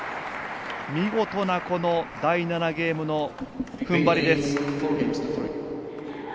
見事な第７ゲームのふんばりです。